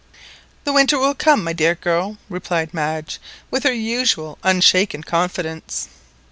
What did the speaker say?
"The winter will come, my dear girl," replied Madge with her usual unshaken confidence.